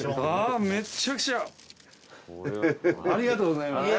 ありがとうございます。